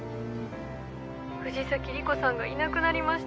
☎藤崎莉子さんがいなくなりました